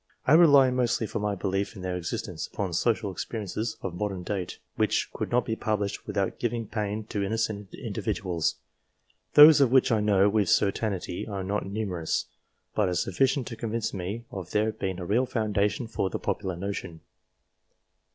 I rely mostly for my belief in their existence, upon social experiences of modern date, which could not be published without giving pain to innocent individuals. 264 DIVINES Those of which I know with certainty are not numerous, but are sufficient to convince me of there being a real foundation for the popular notion.